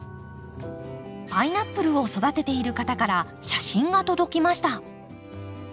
パイナップルを育てている方から写真が届きました。